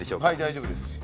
はい大丈夫です。